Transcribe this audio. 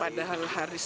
padahal hari sakit